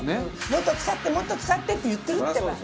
もっと使ってもっと使ってって言ってるってば。